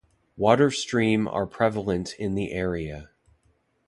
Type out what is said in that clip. Water stream are prevalent in the area.